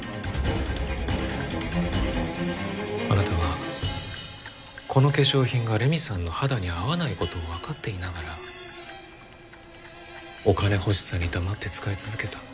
あなたはこの化粧品が麗美さんの肌に合わないことを分かっていながらお金欲しさに黙って使い続けた。